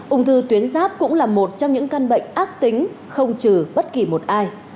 ung thư tuyến giáp cũng là một trong những căn bệnh ác tính không trừ bất kỳ một ai